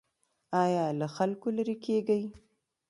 ایا له خلکو لرې کیږئ؟